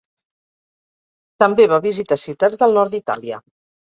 També va visitar ciutats del nord d'Itàlia.